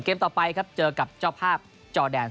ต่อไปครับเจอกับเจ้าภาพจอแดน